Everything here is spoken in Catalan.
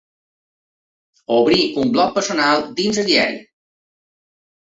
Obrir un bloc personal dins el diari.